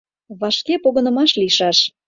Вашке погынымаш лийшаш.